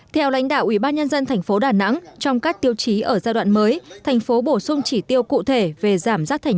theo lãnh đạo ủy ban nhân dân thành phố đà nẵng trong các tiêu chí ở giai đoạn mới thành phố bổ sung chỉ tiêu cụ thể về giảm rác thải nhựa